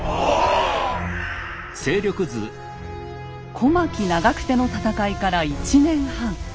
小牧・長久手の戦いから１年半。